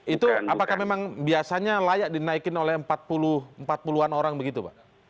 itu apakah memang biasanya layak dinaikin oleh empat puluh an orang begitu pak